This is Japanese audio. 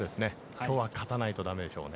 きょうは勝たないとだめでしょうね。